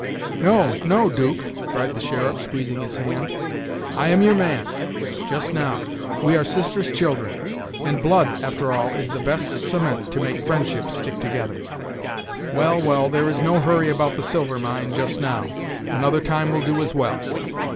"No, no, 'Duke," cried the sheriff, squeezing his hand, "I am your man, just now; we are sister's children, and blood, after all, is the best cement to make friendship stick together. Well, well, there is no hurry about the silver mine, just now; another time will do as well.